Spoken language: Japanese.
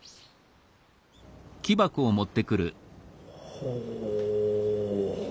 ほう。